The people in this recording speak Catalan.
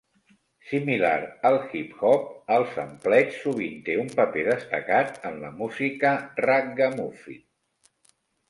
Similar al hip hop, el sampleig sovint té un paper destacat en la música raggamuffin.